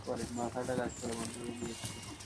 মাথাটা কাজ করা বন্ধ করে দিয়েছিল!